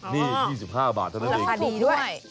นี่๒๕บาทเท่านั้นเลยอ้าวราคาดีด้วยรักษาดีด้วย